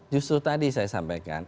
justru tadi saya sampaikan